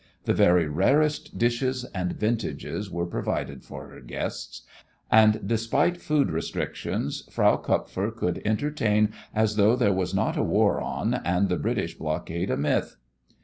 The very rarest dishes and vintages were provided for her guests, and despite food restrictions Frau Kupfer could entertain as though there was not a war on and the British blockade a myth.